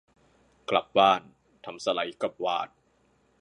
กลับบ้าน ทำสไลด์กับวาด